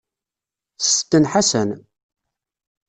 Sesten Ḥasan.